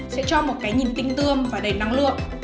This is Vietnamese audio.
sẽ cho một cái nhìn tinh tương và đầy năng lượng